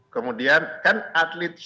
kemudian kan atlet